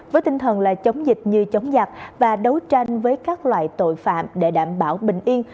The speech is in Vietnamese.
với tinh thần là chống dịch như chống giặc và đấu tranh với các loại tội phạm để đảm bảo bình yên